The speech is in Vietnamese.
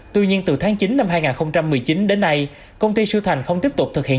tuy nhiên từ tháng chín năm hai nghìn một mươi chín đến nay công ty siêu thành không tiếp tục thực hiện